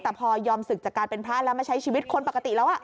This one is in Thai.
แต่พอยอมศึกจากการเป็นพระแล้วมาใช้ชีวิตคนปกติแล้ว